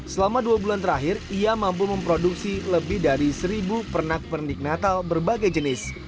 selama dua bulan terakhir ia mampu memproduksi lebih dari seribu pernak pernik natal berbagai jenis